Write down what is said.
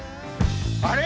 あれ？